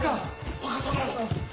若殿！